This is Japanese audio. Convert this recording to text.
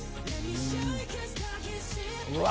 うわ！